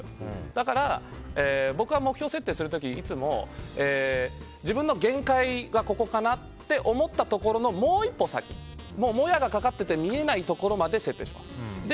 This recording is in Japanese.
だから、僕は目標設定する時にいつも、自分の限界がここかなって思ったところのもう一歩先、もやがかかっていて見えないところまで設定します。